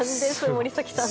森崎さん。